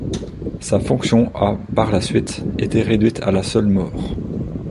Sa fonction a par la suite été réduite à la seule mort.